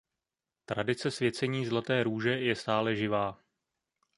Tradice svěcení zlaté růže je stále živá.